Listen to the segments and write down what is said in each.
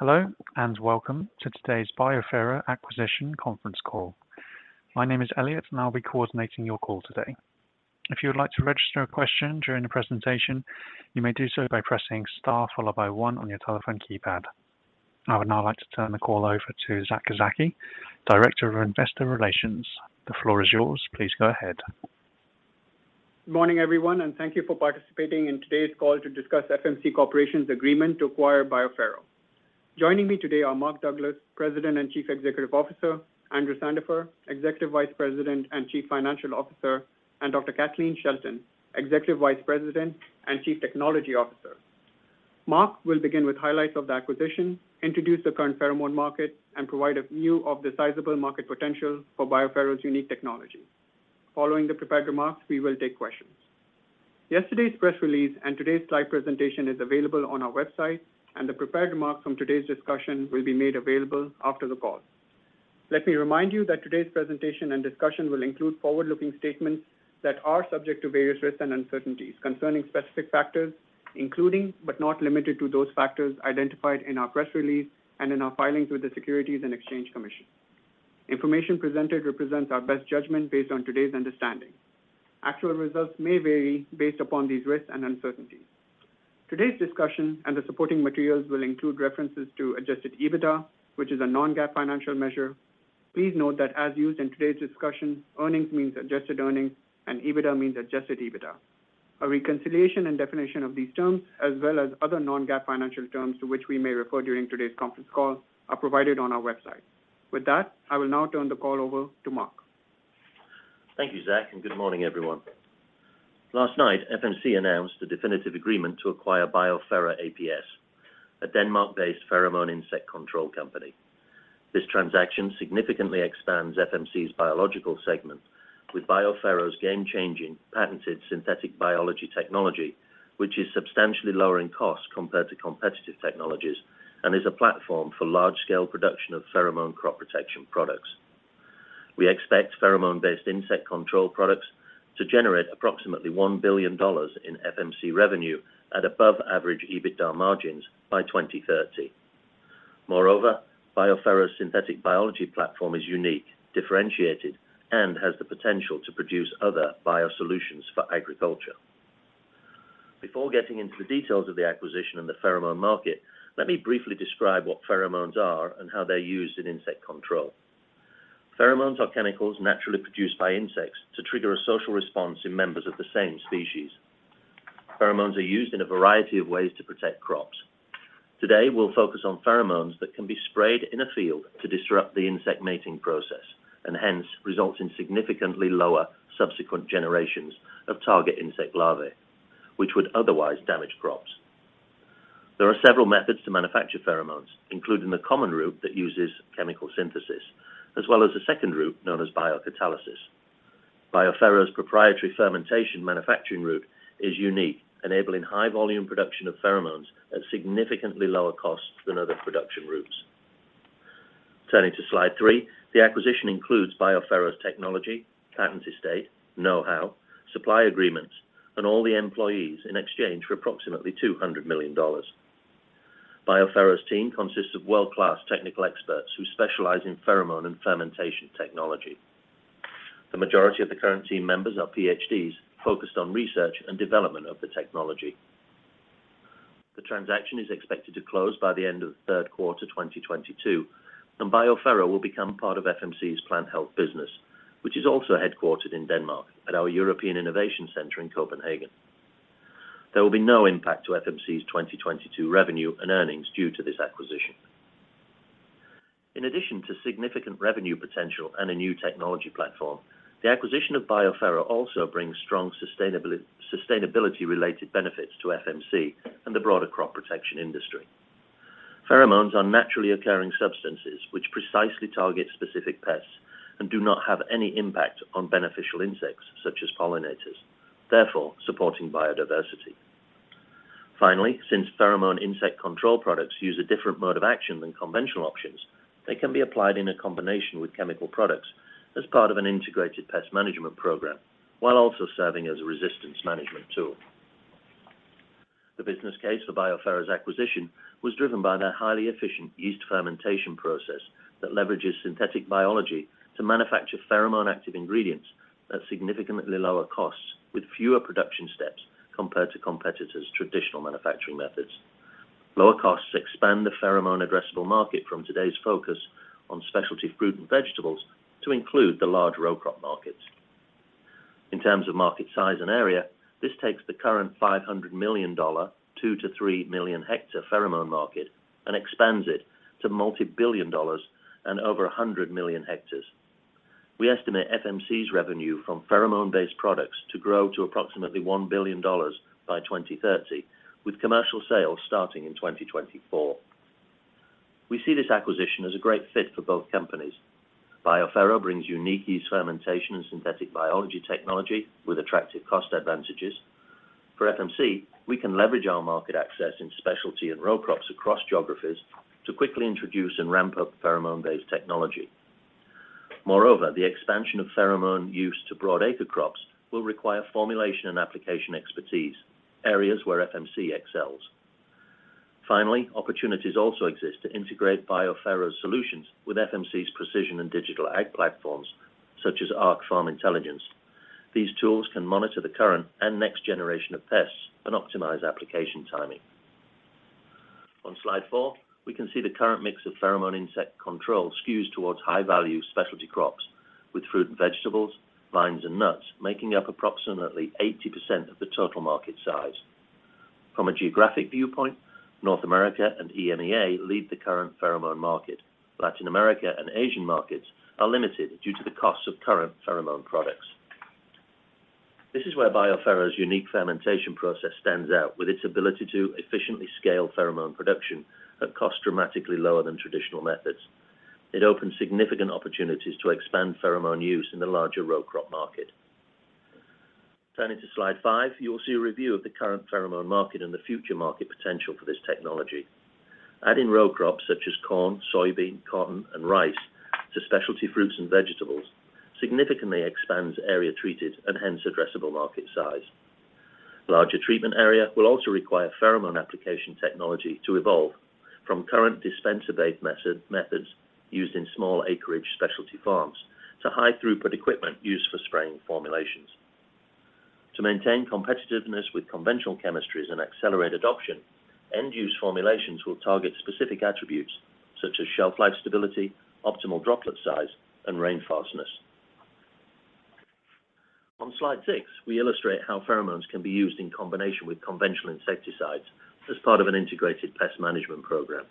Hello, and welcome to today's BioPhero Acquisition conference call. My name is Elliot, and I'll be coordinating your call today. If you would like to register a question during the presentation, you may do so by pressing Star followed by 1 on your telephone keypad. I would now like to turn the call over to Abizar Zaki, Director of Investor Relations. The floor is yours. Please go ahead. Good morning, everyone, and thank you for participating in today's call to discuss FMC Corporation's agreement to acquire BioPhero. Joining me today are Mark Douglas, President and Chief Executive Officer, Andrew Sandifer, Executive Vice President and Chief Financial Officer, and Dr. Kathleen Shelton, Executive Vice President and Chief Technology Officer. Mark will begin with highlights of the acquisition, introduce the current pheromone market, and provide a view of the sizable market potential for BioPhero's unique technology. Following the prepared remarks, we will take questions. Yesterday's press release and today's live presentation is available on our website, and the prepared remarks from today's discussion will be made available after the call. Let me remind you that today's presentation and discussion will include forward-looking statements that are subject to various risks and uncertainties concerning specific factors, including but not limited to those factors identified in our press release and in our filings with the Securities and Exchange Commission. Information presented represents our best judgment based on today's understanding. Actual results may vary based upon these risks and uncertainties. Today's discussion and the supporting materials will include references to Adjusted EBITDA, which is a non-GAAP financial measure. Please note that as used in today's discussion, earnings means adjusted earnings and EBITDA means Adjusted EBITDA. A reconciliation and definition of these terms, as well as other non-GAAP financial terms to which we may refer during today's conference call, are provided on our website. With that, I will now turn the call over to Mark. Thank you, Zaki, and good morning, everyone. Last night, FMC announced a definitive agreement to acquire BioPhero ApS, a Denmark-based pheromone insect control company. This transaction significantly expands FMC's biological segment with BioPhero's game-changing patented synthetic biology technology, which is substantially lowering costs compared to competitive technologies and is a platform for large-scale production of pheromone crop protection products. We expect pheromone-based insect control products to generate approximately $1 billion in FMC revenue at above average EBITDA margins by 2030. Moreover, BioPhero's synthetic biology platform is unique, differentiated, and has the potential to produce other biosolutions for agriculture. Before getting into the details of the acquisition and the pheromone market, let me briefly describe what pheromones are and how they're used in insect control. Pheromones are chemicals naturally produced by insects to trigger a social response in members of the same species. Pheromones are used in a variety of ways to protect crops. Today, we'll focus on pheromones that can be sprayed in a field to disrupt the insect mating process, and hence, result in significantly lower subsequent generations of target insect larvae, which would otherwise damage crops. There are several methods to manufacture pheromones, including the common route that uses chemical synthesis, as well as a second route known as biocatalysis. BioPhero's proprietary fermentation manufacturing route is unique, enabling high volume production of pheromones at significantly lower costs than other production routes. Turning to slide 3, the acquisition includes BioPhero's technology, patent estate, know-how, supply agreements, and all the employees in exchange for approximately $200 million. BioPhero's team consists of world-class technical experts who specialize in pheromone and fermentation technology. The majority of the current team members are PhDs focused on research and development of the technology. The transaction is expected to close by the end of third quarter 2022, and BioPhero will become part of FMC's plant health business, which is also headquartered in Denmark at our European Innovation Center in Copenhagen. There will be no impact to FMC's 2022 revenue and earnings due to this acquisition. In addition to significant revenue potential and a new technology platform, the acquisition of BioPhero also brings strong sustainability-related benefits to FMC and the broader crop protection industry. Pheromones are naturally occurring substances which precisely target specific pests and do not have any impact on beneficial insects such as pollinators, therefore, supporting biodiversity. Finally, since pheromone insect control products use a different mode of action than conventional options, they can be applied in a combination with chemical products as part of an integrated pest management program while also serving as a resistance management tool. The business case for BioPhero's acquisition was driven by their highly efficient yeast fermentation process that leverages synthetic biology to manufacture pheromone active ingredients at significantly lower costs with fewer production steps compared to competitors' traditional manufacturing methods. Lower costs expand the pheromone addressable market from today's focus on specialty fruit and vegetables to include the large row crop markets. In terms of market size and area, this takes the current $500 million, 2-3 million hectare pheromone market and expands it to multi-billion dollars and over 100 million hectares. We estimate FMC's revenue from pheromone-based products to grow to approximately $1 billion by 2030, with commercial sales starting in 2024. We see this acquisition as a great fit for both companies. BioPhero brings unique yeast fermentation and synthetic biology technology with attractive cost advantages. For FMC, we can leverage our market access in specialty and row crops across geographies to quickly introduce and ramp up pheromone-based technology. Moreover, the expansion of pheromone use to broad acre crops will require formulation and application expertise, areas where FMC excels. Finally, opportunities also exist to integrate BioPhero's solutions with FMC's precision and digital ag platforms such as Arc Farm Intelligence. These tools can monitor the current and next generation of pests and optimize application timing. On slide 4, we can see the current mix of pheromone insect control skews towards high-value specialty crops with fruit and vegetables, vines and nuts making up approximately 80% of the total market size. From a geographic viewpoint, North America and EMEA lead the current pheromone market. Latin America and Asian markets are limited due to the cost of current pheromone products. This is where BioPhero's unique fermentation process stands out with its ability to efficiently scale pheromone production at cost dramatically lower than traditional methods. It opens significant opportunities to expand pheromone use in the larger row crop market. Turning to slide 5, you will see a review of the current pheromone market and the future market potential for this technology. Adding row crops such as corn, soybean, cotton, and rice to specialty fruits and vegetables significantly expands area treated and hence addressable market size. Larger treatment area will also require pheromone application technology to evolve from current dispenser-based methods used in small acreage specialty farms to high throughput equipment used for spraying formulations. To maintain competitiveness with conventional chemistries and accelerate adoption, end use formulations will target specific attributes such as shelf life stability, optimal droplet size, and rainfastness. On slide 6, we illustrate how pheromones can be used in combination with conventional insecticides as part of an integrated pest management program.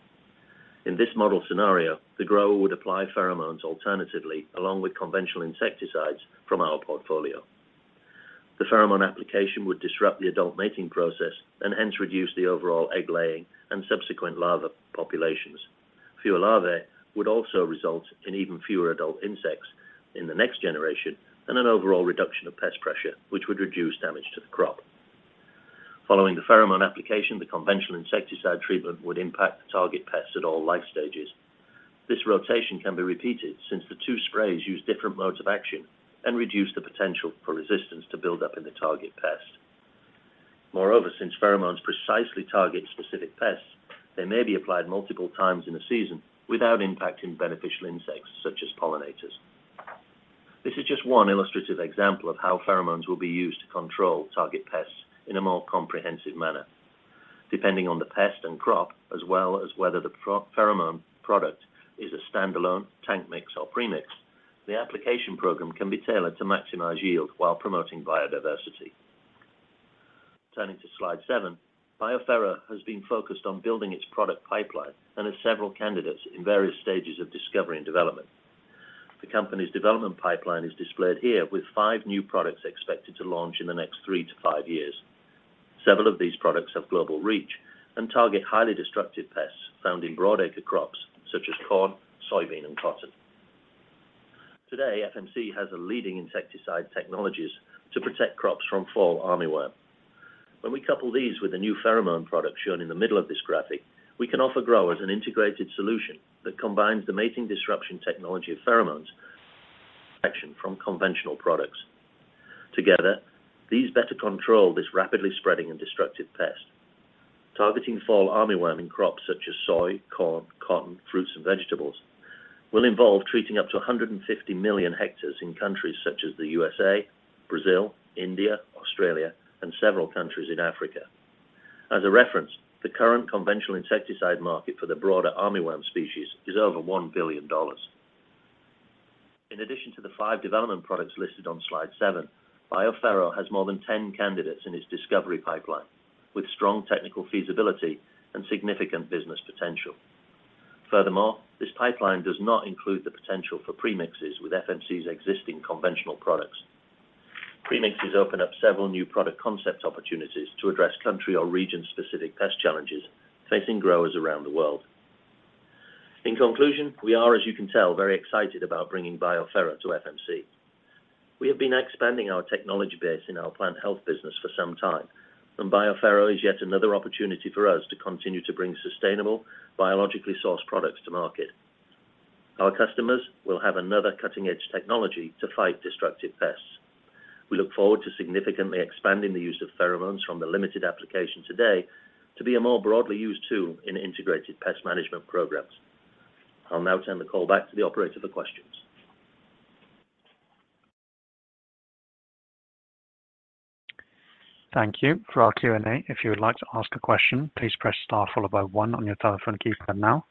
In this model scenario, the grower would apply pheromones alternatively along with conventional insecticides from our portfolio. The pheromone application would disrupt the adult mating process and hence reduce the overall egg laying and subsequent larva populations. Fewer larvae would also result in even fewer adult insects in the next generation and an overall reduction of pest pressure, which would reduce damage to the crop. Following the pheromone application, the conventional insecticide treatment would impact the target pest at all life stages. This rotation can be repeated since the two sprays use different modes of action and reduce the potential for resistance to build up in the target pest. Moreover, since pheromones precisely target specific pests, they may be applied multiple times in a season without impacting beneficial insects such as pollinators. This is just one illustrative example of how pheromones will be used to control target pests in a more comprehensive manner. Depending on the pest and crop, as well as whether the pheromone product is a standalone, tank mix, or premix, the application program can be tailored to maximize yield while promoting biodiversity. Turning to slide 7, BioPhero has been focused on building its product pipeline and has several candidates in various stages of discovery and development. The company's development pipeline is displayed here with five new products expected to launch in the next 3-5 years. Several of these products have global reach and target highly destructive pests found in broad acre crops such as corn, soybean, and cotton. Today, FMC has a leading insecticide technologies to protect crops from fall armyworm. When we couple these with the new pheromone product shown in the middle of this graphic, we can offer growers an integrated solution that combines the mating disruption technology of pheromones action from conventional products. Together, these better control this rapidly spreading and destructive pest. Targeting fall armyworm in crops such as soy, corn, cotton, fruits, and vegetables will involve treating up to 150 million hectares in countries such as the USA, Brazil, India, Australia, and several countries in Africa. As a reference, the current conventional insecticide market for the broader armyworm species is over $1 billion. In addition to the five development products listed on slide 7, BioPhero has more than 10 candidates in its discovery pipeline with strong technical feasibility and significant business potential. Furthermore, this pipeline does not include the potential for premixes with FMC's existing conventional products. Premixes open up several new product concept opportunities to address country or region-specific pest challenges facing growers around the world. In conclusion, we are, as you can tell, very excited about bringing BioPhero to FMC. We have been expanding our technology base in our plant health business for some time, and BioPhero is yet another opportunity for us to continue to bring sustainable, biologically sourced products to market. Our customers will have another cutting-edge technology to fight destructive pests. We look forward to significantly expanding the use of pheromones from the limited application today to be a more broadly used tool in integrated pest management programs. I'll now turn the call back to the operator for questions. Thank you. For our Q&A, if you would like to ask a question, please press star followed by 1 on your telephone keypad now.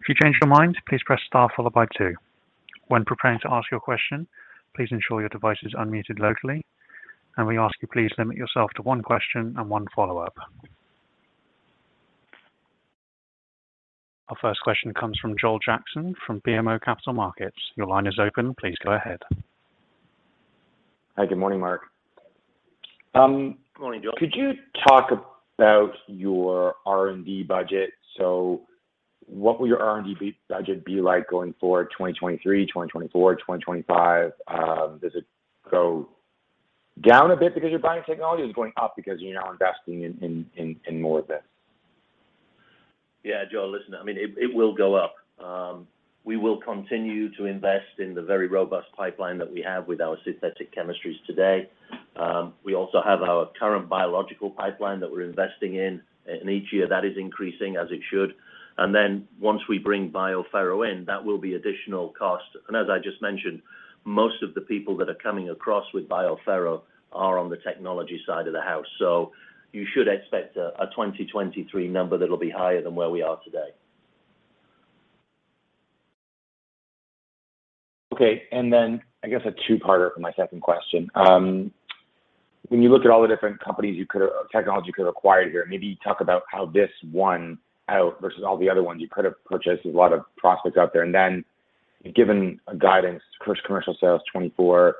If you change your mind, please press star followed by 2. When preparing to ask your question, please ensure your device is unmuted locally, and we ask you please limit yourself to one question and one follow-up. Our first question comes from Joel Jackson from BMO Capital Markets. Your line is open. Please go ahead. Hi. Good morning, Mark. Morning, Joel. Could you talk about your R&D budget? What will your R&D budget be like going forward 2023, 2024, 2025? Does it go down a bit because you're buying technology? Is it going up because you're now investing in more of this? Yeah, Joel, listen, I mean, it will go up. We will continue to invest in the very robust pipeline that we have with our synthetic chemistries today. We also have our current biological pipeline that we're investing in, and each year that is increasing as it should. Then once we bring BioPhero in, that will be additional cost. As I just mentioned, most of the people that are coming across with BioPhero are on the technology side of the house. You should expect a 2023 number that'll be higher than where we are today. Okay. I guess a two-parter for my second question. When you look at all the different technology you could have acquired here, maybe talk about how this one stood out versus all the other ones you could have purchased. There's a lot of prospects out there. Given a guidance to commercial sales 2024,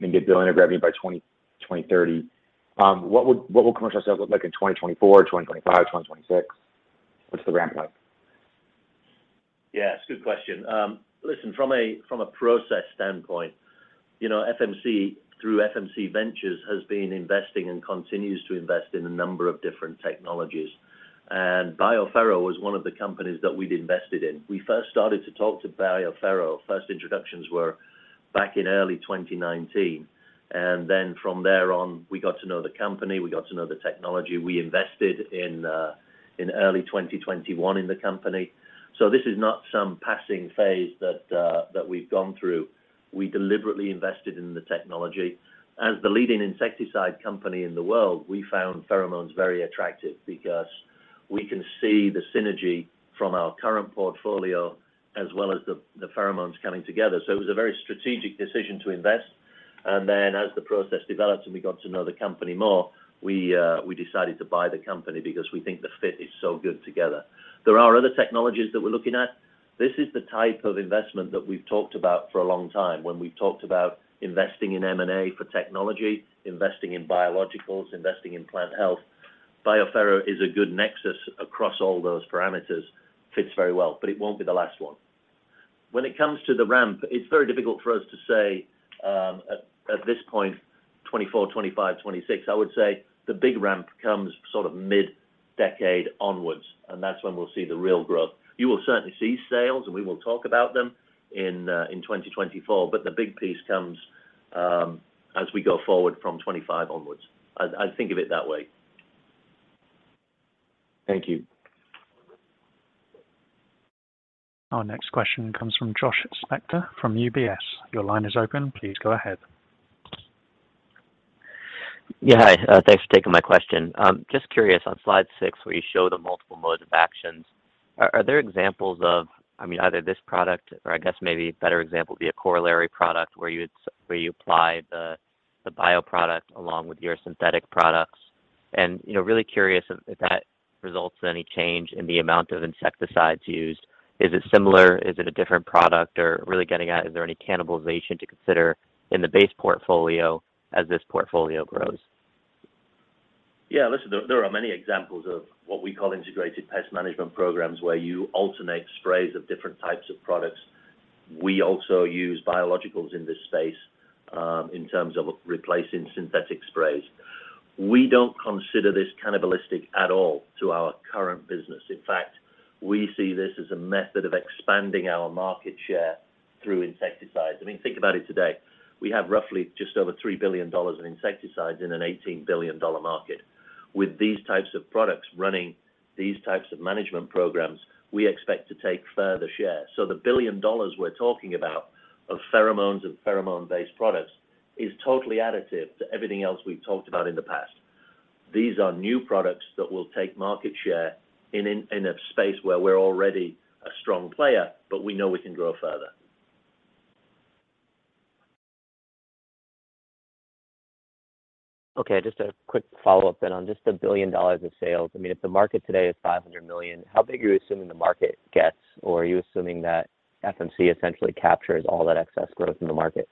and get to $1 billion of revenue by 2030, what will commercial sales look like in 2024, 2025, 2026? What's the ramp up? Yes, good question. Listen, from a process standpoint, you know, FMC through FMC Ventures has been investing and continues to invest in a number of different technologies. BioPhero was one of the companies that we'd invested in. We first started to talk to BioPhero. First introductions were back in early 2019, and then from there on, we got to know the company, we got to know the technology. We invested in early 2021 in the company. This is not some passing phase that we've gone through. We deliberately invested in the technology. As the leading insecticide company in the world, we found pheromones very attractive because we can see the synergy from our current portfolio as well as the pheromones coming together. It was a very strategic decision to invest. As the process developed and we got to know the company more, we decided to buy the company because we think the fit is so good together. There are other technologies that we're looking at. This is the type of investment that we've talked about for a long time. When we've talked about investing in M&A for technology, investing in biologicals, investing in plant health. BioPhero is a good nexus across all those parameters. Fits very well, but it won't be the last one. When it comes to the ramp, it's very difficult for us to say at this point, 2024, 2025, 2026. I would say the big ramp comes sort of mid-decade onwards, and that's when we'll see the real growth. You will certainly see sales, and we will talk about them in 2024, but the big piece comes as we go forward from 2025 onwards. I'd think of it that way. Thank you. Our next question comes from Joshua Spector from UBS. Your line is open. Please go ahead. Yeah. Hi, thanks for taking my question. Just curious on slide 6, where you show the multiple modes of action, are there examples of, I mean, either this product or I guess maybe a better example would be a corollary product where you apply the bioproduct along with your synthetic products? You know, really curious if that results in any change in the amount of insecticides used. Is it similar? Is it a different product? Or really getting at, is there any cannibalization to consider in the base portfolio as this portfolio grows? Yeah. Listen, there are many examples of what we call integrated pest management programs where you alternate sprays of different types of products. We also use biologicals in this space, in terms of replacing synthetic sprays. We don't consider this cannibalistic at all to our current business. In fact, we see this as a method of expanding our market share through insecticides. I mean, think about it today. We have roughly just over $3 billion in insecticides in an $18 billion market. With these types of products running these types of management programs, we expect to take further share. The $1 billion we're talking about of pheromones and pheromone-based products is totally additive to everything else we've talked about in the past. These are new products that will take market share in a space where we're already a strong player, but we know we can grow further. Okay. Just a quick follow-up on just the $1 billion of sales. I mean, if the market today is $500 million, how big are you assuming the market gets? Or are you assuming that FMC essentially captures all that excess growth in the market?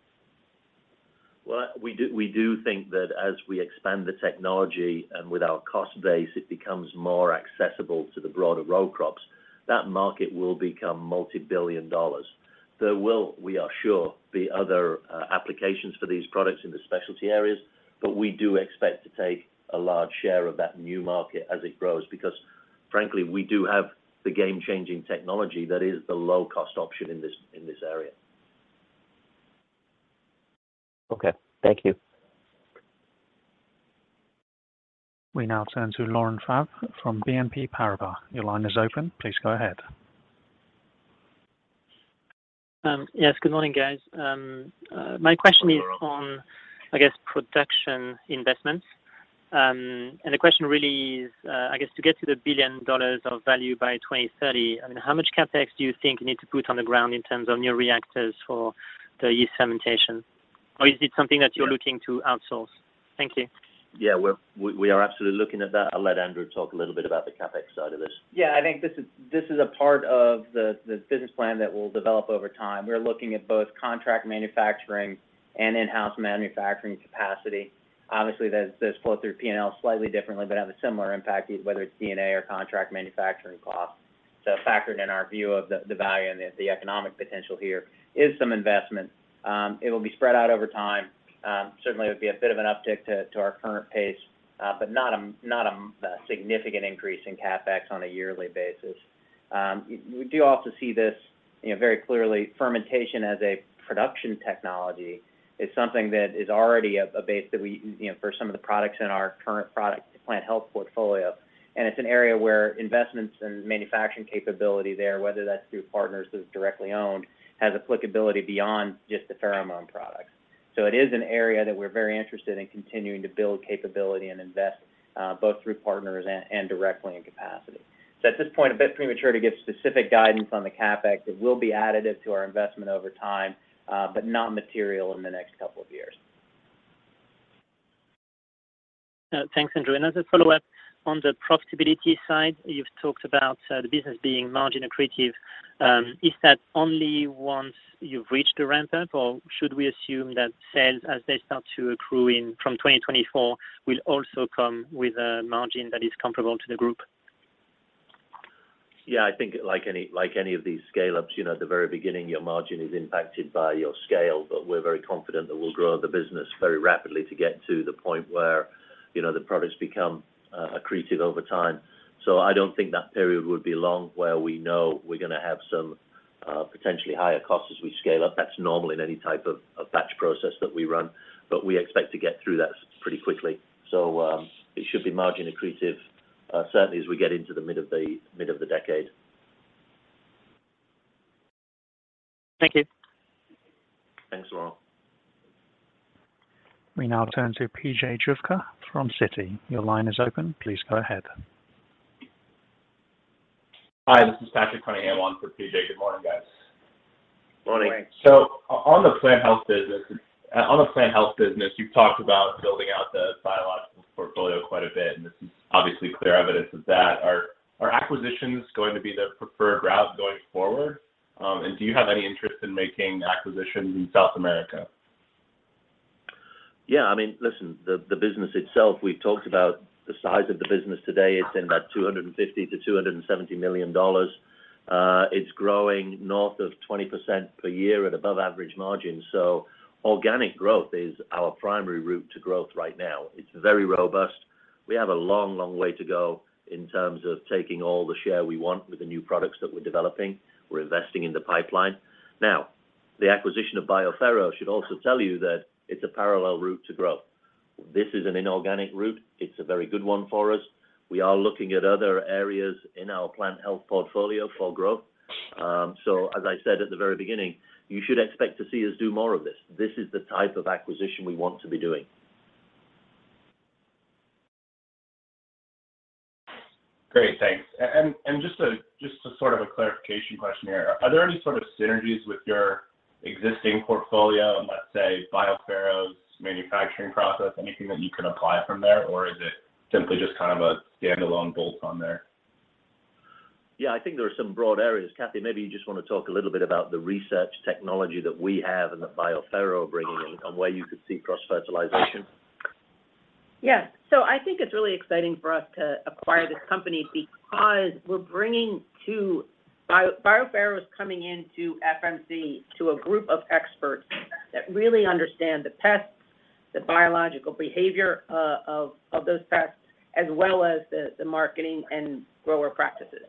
Well, we do think that as we expand the technology and with our cost base, it becomes more accessible to the broader row crops. That market will become multi-billion dollars. There will, we are sure, be other applications for these products in the specialty areas, but we do expect to take a large share of that new market as it grows because frankly, we do have the game-changing technology that is the low-cost option in this area. Okay. Thank you. We now turn to Laurent Favre from BNP Paribas. Your line is open. Please go ahead. Yes, good morning, guys. My question is- Good morning, Laurent. - on production investments, I guess. The question really is, I guess, to get to $1 billion of value by 2030, I mean, how much CapEx do you think you need to put on the ground in terms of new reactors for the yeast fermentation? Or is it something that you're looking to outsource? Thank you. Yeah, we are absolutely looking at that. I'll let Andrew talk a little bit about the CapEx side of this. Yeah, I think this is a part of the business plan that we'll develop over time. We're looking at both contract manufacturing and in-house manufacturing capacity. Obviously, those flow through P&L slightly differently, but have a similar impact, whether it's D&A or contract manufacturing costs. Factored in our view of the value and the economic potential here is some investment. It'll be spread out over time. Certainly would be a bit of an uptick to our current pace, but not a significant increase in CapEx on a yearly basis. We do also see this, you know, very clearly. Fermentation as a production technology is something that is already a base that we, you know, for some of the products in our current product, the Plant Health portfolio. It's an area where investments and manufacturing capability there, whether that's through partners that we directly own, has applicability beyond just the pheromone products. It is an area that we're very interested in continuing to build capability and invest, both through partners and directly in capacity. At this point, a bit premature to give specific guidance on the CapEx. It will be additive to our investment over time, but not material in the next couple of years. Thanks, Andrew. As a follow-up, on the profitability side, you've talked about the business being margin accretive. Is that only once you've reached the ramp-up, or should we assume that sales, as they start to accrue in from 2024, will also come with a margin that is comparable to the group? Yeah. I think like any of these scale-ups, you know, at the very beginning, your margin is impacted by your scale. We're very confident that we'll grow the business very rapidly to get to the point where, you know, the products become accretive over time. I don't think that period would be long, where we know we're gonna have some potentially higher costs as we scale up. That's normal in any type of batch process that we run. We expect to get through that pretty quickly. It should be margin accretive, certainly as we get into the mid of the decade. Thank you. Thanks, Laurent. We now turn to P.J. Juvekar from Citi. Your line is open. Please go ahead. Hi, this is Patrick Cunningham on for P.J. Good morning, guys. Morning. Thanks. On the Plant Health business, you've talked about building out the biological portfolio quite a bit, and this is obviously clear evidence of that. Are acquisitions going to be the preferred route going forward? Do you have any interest in making acquisitions in South America? Yeah. I mean, listen, the business itself, we've talked about the size of the business today. It's in about $250 million-$270 million. It's growing north of 20% per year at above average margin. Organic growth is our primary route to growth right now. It's very robust. We have a long, long way to go in terms of taking all the share we want with the new products that we're developing. We're investing in the pipeline. Now, the acquisition of BioPhero should also tell you that it's a parallel route to growth. This is an inorganic route. It's a very good one for us. We are looking at other areas in our plant health portfolio for growth. As I said at the very beginning, you should expect to see us do more of this. This is the type of acquisition we want to be doing. Great. Thanks. Just a sort of clarification question here. Are there any sort of synergies with your existing portfolio on, let's say, BioPhero's manufacturing process? Anything that you can apply from there, or is it simply just kind of a standalone bolt-on there? Yeah. I think there are some broad areas. Kathy, maybe you just wanna talk a little bit about the research technology that we have and that BioPhero are bringing in on where you could see cross-fertilization. Yeah. I think it's really exciting for us to acquire this company because we're bringing to, BioPhero is coming into FMC to a group of experts that really understand the pests, the biological behavior of those pests, as well as the marketing and grower practices.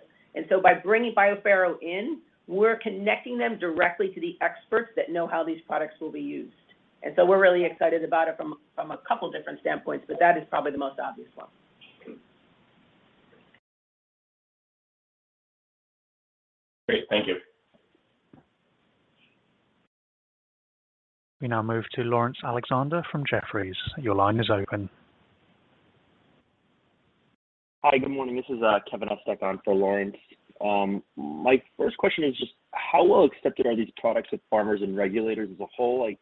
By bringing BioPhero in, we're connecting them directly to the experts that know how these products will be used. We're really excited about it from a couple different standpoints, but that is probably the most obvious one. Great. Thank you. We now move to Laurence Alexander from Jefferies. Your line is open. Hi. Good morning. This is Kevin Estok on for Laurence. My first question is just how well accepted are these products with farmers and regulators as a whole? Like,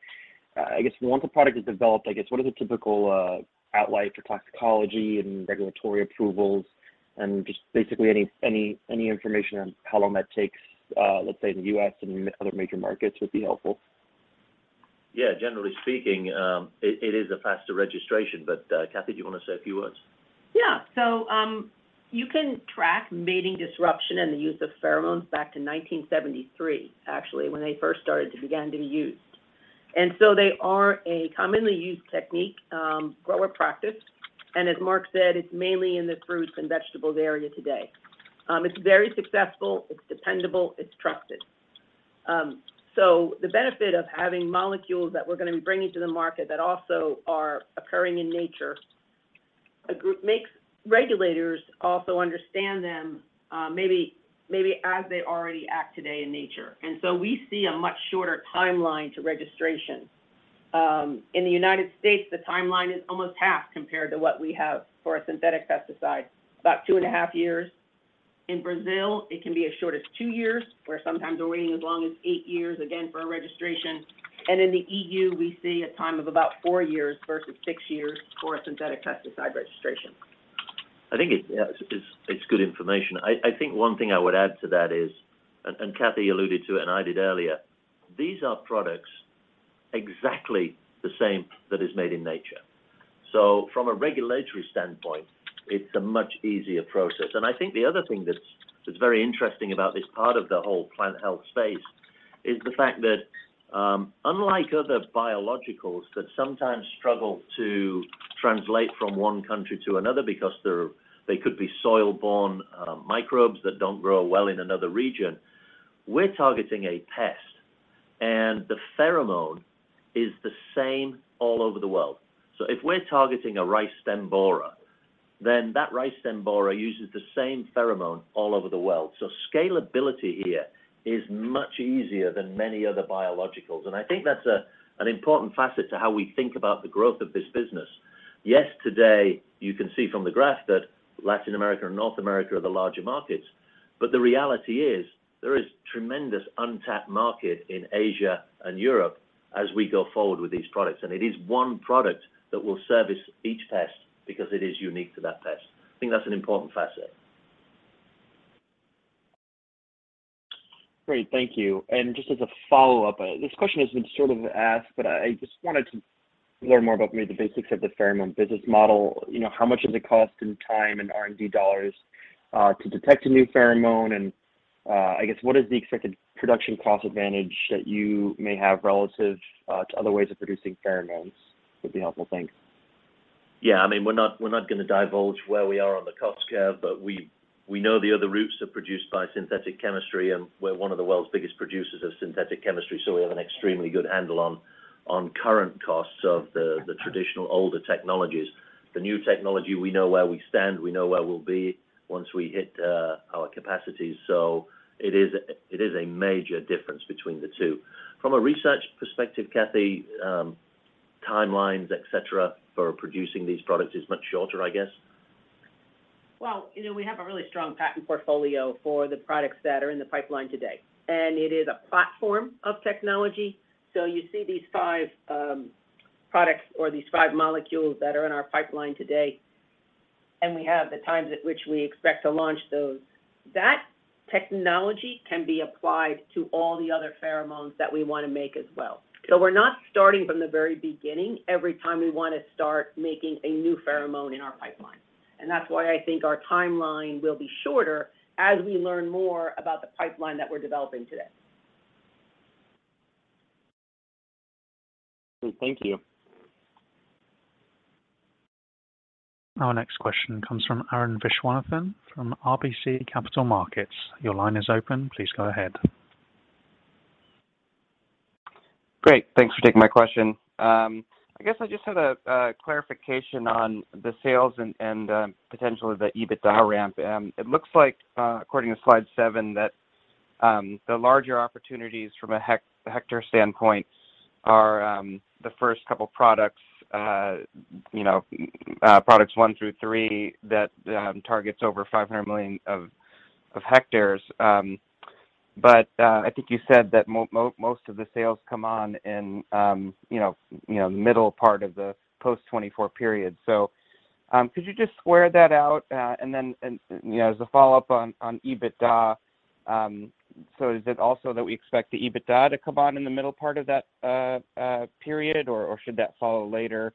I guess once a product is developed, I guess what is the typical outlay for toxicology and regulatory approvals? Just basically any information on how long that takes, let's say in the U.S. and other major markets would be helpful. Yeah. Generally speaking, it is a faster registration. Kathy, do you wanna say a few words? Yeah. You can track mating disruption and the use of pheromones back to 1973, actually, when they first started to begin to be used. They are a commonly used technique, grower practice. As Mark said, it's mainly in the fruits and vegetables area today. It's very successful. It's dependable. It's trusted. The benefit of having molecules that we're gonna be bringing to the market that also are occurring in nature makes regulators also understand them, maybe as they already act today in nature. We see a much shorter timeline to registration. In the United States, the timeline is almost half compared to what we have for a synthetic pesticide, about 2.5 years. In Brazil, it can be as short as two years. Where sometimes we're waiting as long as eight years, again, for a registration. In the E.U., we see a time of about four years versus six years for a synthetic pesticide registration. I think, yeah, it's good information. I think one thing I would add to that is, and Kathy alluded to it and I did earlier, these are products exactly the same that is made in nature. From a regulatory standpoint, it's a much easier process. I think the other thing that's very interesting about this part of the whole Plant Health space is the fact that, unlike other biologicals that sometimes struggle to translate from one country to another because they could be soil-borne microbes that don't grow well in another region, we're targeting a pest, and the pheromone is the same all over the world. If we're targeting a rice stem borer, then that rice stem borer uses the same pheromone all over the world. Scalability here is much easier than many other biologicals. I think that's an important facet to how we think about the growth of this business. Yes, today, you can see from the graph that Latin America and North America are the larger markets. The reality is there is tremendous untapped market in Asia and Europe as we go forward with these products. It is one product that will service each pest because it is unique to that pest. I think that's an important facet. Great. Thank you. Just as a follow-up, this question has been sort of asked, but I just wanted to learn more about maybe the basics of the pheromone business model. You know, how much does it cost in time and R&D dollars to detect a new pheromone? I guess, what is the expected production cost advantage that you may have relative to other ways of producing pheromones? Would be helpful. Thanks. Yeah, I mean, we're not gonna divulge where we are on the cost curve, but we know the other routes are produced by synthetic chemistry, and we're one of the world's biggest producers of synthetic chemistry, so we have an extremely good handle on current costs of the traditional older technologies. The new technology, we know where we stand, we know where we'll be once we hit our capacity. It is a major difference between the two. From a research perspective, Kathy, timelines, et cetera, for producing these products is much shorter, I guess. Well, you know, we have a really strong patent portfolio for the products that are in the pipeline today. It is a platform of technology. You see these five products or these five molecules that are in our pipeline today, and we have the times at which we expect to launch those. That technology can be applied to all the other pheromones that we wanna make as well. We're not starting from the very beginning every time we wanna start making a new pheromone in our pipeline. That's why I think our timeline will be shorter as we learn more about the pipeline that we're developing today. Thank you. Our next question comes from Arun Viswanathan from RBC Capital Markets. Your line is open. Please go ahead. Great. Thanks for taking my question. I guess I just had a clarification on the sales and potentially the EBITDA ramp. It looks like, according to slide 7, that the larger opportunities from a hectare standpoint are the first couple products, you know, products 1 through 3 that targets over 500 million hectares. But I think you said that most of the sales come on in, you know, middle part of the post-2024 period. So could you just square that out? And then, you know, as a follow-up on EBITDA, so is it also that we expect the EBITDA to come on in the middle part of that period, or should that follow later?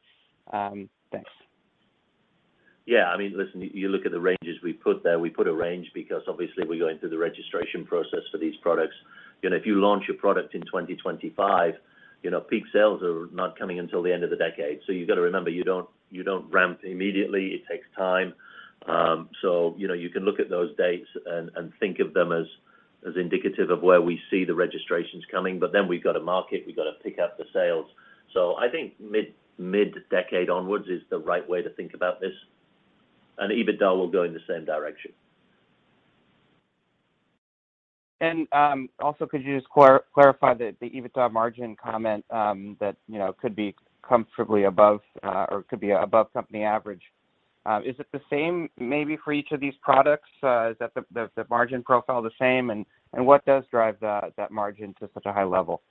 Thanks. Yeah. I mean, listen, you look at the ranges we put there. We put a range because obviously we're going through the registration process for these products. You know, if you launch a product in 2025, you know, peak sales are not coming until the end of the decade. You got to remember, you don't ramp immediately. It takes time. You know, you can look at those dates and think of them as indicative of where we see the registrations coming. Then we've got to market, we've got to pick up the sales. I think mid-decade onwards is the right way to think about this. EBITDA will go in the same direction. Also could you just clarify the EBITDA margin comment that you know could be comfortably above or could be above company average? Is it the same maybe for each of these products? Is that the margin profile the same? What does drive that margin to such a high level?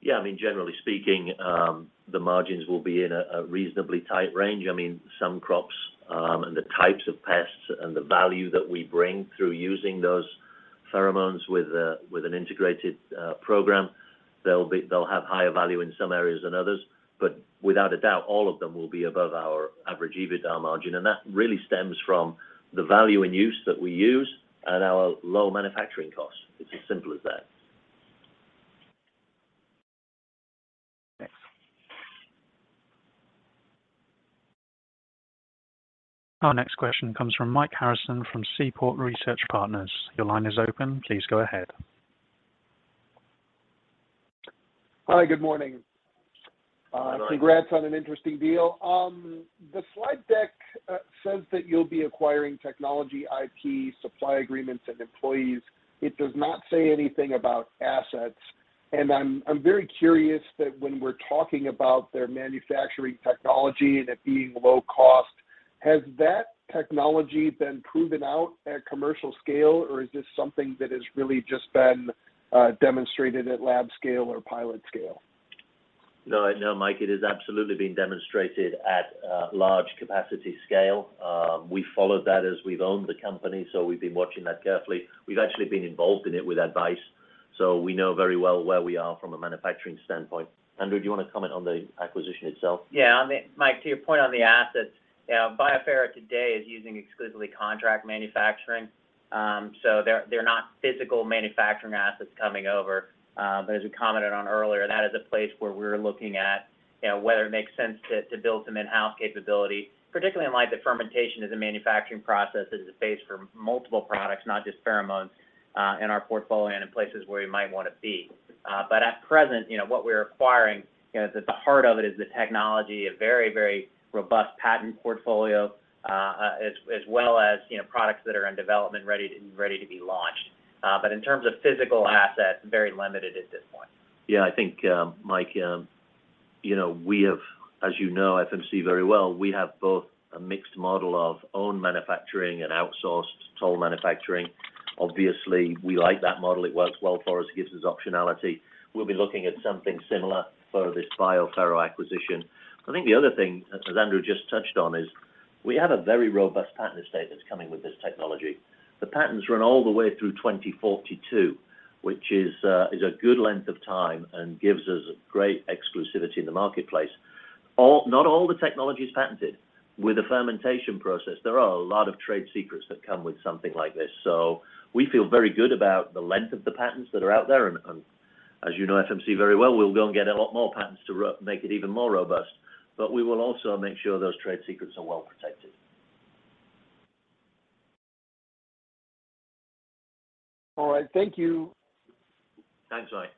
Yeah, I mean, generally speaking, the margins will be in a reasonably tight range. I mean, some crops and the types of pests and the value that we bring through using those pheromones with an integrated program, they'll have higher value in some areas than others. But without a doubt, all of them will be above our average EBITDA margin. That really stems from the value in use that we use and our low manufacturing costs. It's as simple as that. Thanks. Our next question comes from Mike Harrison from Seaport Research Partners. Your line is open. Please go ahead. Hi, good morning. Good morning. Congrats on an interesting deal. The slide deck says that you'll be acquiring technology, IT, supply agreements, and employees. It does not say anything about assets. I'm very curious that when we're talking about their manufacturing technology and it being low cost, has that technology been proven out at commercial scale, or is this something that has really just been demonstrated at lab scale or pilot scale? No, no, Mike, it has absolutely been demonstrated at large capacity scale. We followed that as we've owned the company, so we've been watching that carefully. We've actually been involved in it with advice, so we know very well where we are from a manufacturing standpoint. Andrew, do you wanna comment on the acquisition itself? Yeah. I mean, Mike, to your point on the assets, you know, BioPhero today is using exclusively contract manufacturing. They're not physical manufacturing assets coming over. As we commented on earlier, that is a place where we're looking at, you know, whether it makes sense to build some in-house capability, particularly in light of fermentation as a manufacturing process that is a base for multiple products, not just pheromones, in our portfolio and in places where we might wanna be. At present, you know, what we're acquiring, you know, at the heart of it is the technology, a very robust patent portfolio, as well as, you know, products that are in development ready to be launched. In terms of physical assets, very limited at this point. Yeah. I think, Mike, you know, we have, as you know, FMC very well, we have both a mixed model of own manufacturing and outsourced toll manufacturing. Obviously, we like that model. It works well for us. It gives us optionality. We'll be looking at something similar for this BioPhero acquisition. I think the other thing, as Andrew just touched on, is we have a very robust patent estate that's coming with this technology. The patents run all the way through 2042, which is a good length of time and gives us great exclusivity in the marketplace. Not all the technology is patented. With a fermentation process, there are a lot of trade secrets that come with something like this, so we feel very good about the length of the patents that are out there. As you know FMC very well, we'll go and get a lot more patents to make it even more robust, but we will also make sure those trade secrets are well protected. All right. Thank you. Thanks, Mike.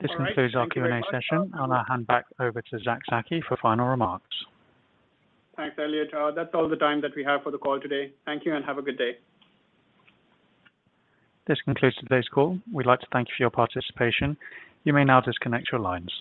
This concludes our Q&A session. I'll now hand back over to Abizar Zaki for final remarks. Thanks, Elliot. That's all the time that we have for the call today. Thank you and have a good day. This concludes today's call. We'd like to thank you for your participation. You may now disconnect your lines.